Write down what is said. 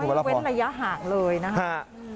เว้นระยะห่างเลยนะครับ